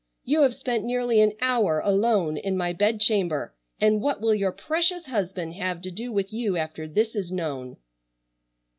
You have spent nearly an hour alone in my bedchamber, and what will your precious husband have to do with you after this is known?"